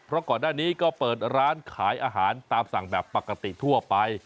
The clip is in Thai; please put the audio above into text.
เพราะก่อนหน้านี้ก็เปิดร้านขายอาหารตามสั่งแบบปกติทั่วไป